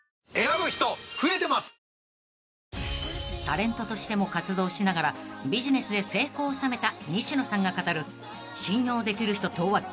［タレントとしても活動しながらビジネスで成功を収めた西野さんが語る信用できる人とは］